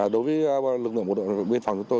đối với lực lượng bộ đội biên phòng